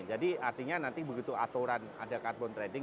jadi artinya nanti begitu aturan ada carbon trading